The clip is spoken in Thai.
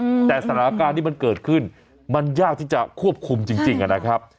อืมแต่สถานการณ์ที่มันเกิดขึ้นมันยากที่จะควบคุมจริงจริงอ่ะนะครับ